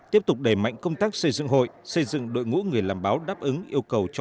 tiếp tục đẩy mạnh công tác xây dựng hội xây dựng đội ngũ người làm báo